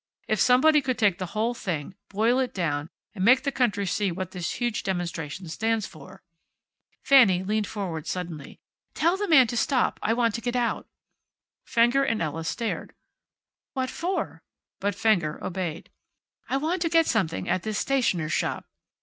If somebody could take the whole thing, boil it down, and make the country see what this huge demonstration stands for." Fanny leaned forward suddenly. "Tell the man to stop. I want to get out." Fenger and Ella stared. "What for?" But Fenger obeyed. "I want to get something at this stationer's shop."